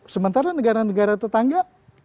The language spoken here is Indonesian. sementara negara negara tetangga